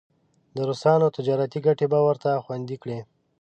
د روسانو تجارتي ګټې به ورته خوندي کړي.